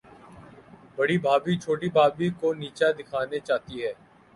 بڑی بھابھی، چھوٹی بھابھی کو نیچا دکھانا چاہتی ہے۔